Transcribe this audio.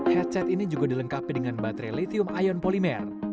headset ini juga dilengkapi dengan baterai litium ion polimer